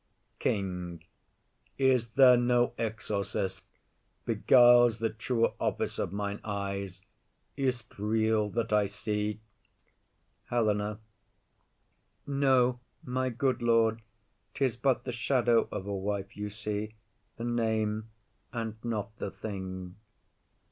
KING. Is there no exorcist Beguiles the truer office of mine eyes? Is't real that I see? HELENA. No, my good lord; 'Tis but the shadow of a wife you see, The name, and not the thing.